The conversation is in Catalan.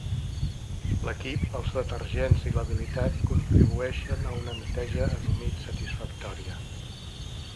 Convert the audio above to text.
L'equip, els detergents i l'habilitat contribueixen a una neteja en humit satisfactòria.